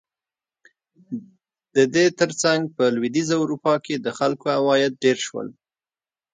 د دې ترڅنګ په لوېدیځه اروپا کې د خلکو عواید ډېر شول.